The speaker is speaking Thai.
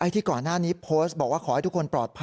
ที่ก่อนหน้านี้โพสต์บอกว่าขอให้ทุกคนปลอดภัย